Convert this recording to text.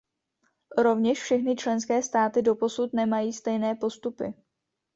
Rovněž všechny členské státy doposud nemají stejné postupy.